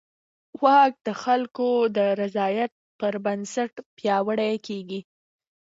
واک د خلکو د رضایت پر بنسټ پیاوړی کېږي.